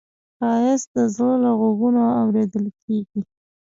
ښایست د زړه له غوږونو اورېدل کېږي